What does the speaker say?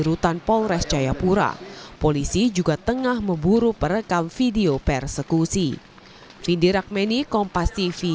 rutan polres jayapura polisi juga tengah memburu perekam video persekusi finderakmeni kompasivi